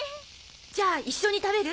じゃあ一緒に食べる？